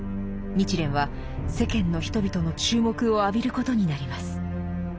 日蓮は世間の人々の注目を浴びることになります。